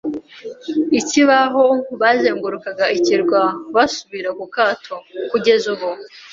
ikibaho bazengurukaga ikirwa basubira ku kato. Kugeza ubu